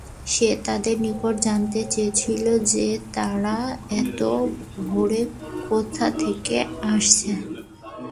সে তাদের নিকট জানতে চেয়েছিল যে, তারা এত ভোরে কোথা থেকে আসছে।